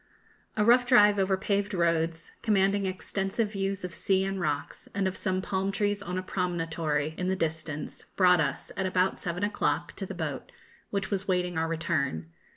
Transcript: A rough drive over paved roads, commanding extensive views of sea and rocks, and of some palm trees on a promontory in the distance, brought us, at about seven o'clock, to the boat, which was waiting our return.